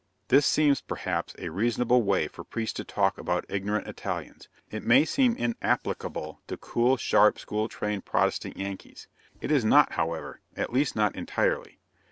This seems, perhaps, a reasonable way for priests to talk about ignorant Italians. It may seem inapplicable to cool, sharp, school trained Protestant Yankees. It is not, however at least, not entirely.